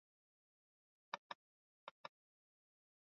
Kwa mfano nchini Namibia Kiingereza ni lugha rasmi kufuatana na